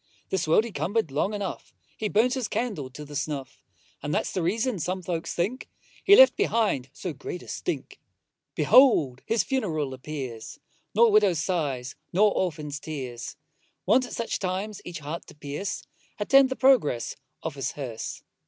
This world he cumber'd long enough; He burnt his candle to the snuff; And that's the reason, some folks think, He left behind so great a stink. Behold his funeral appears, Nor widow's sighs, nor orphan's tears, Wont at such times each heart to pierce, Attend the progress of his hearse.